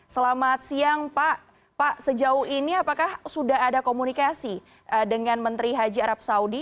selamat siang pak sejauh ini apakah sudah ada komunikasi dengan menteri haji arab saudi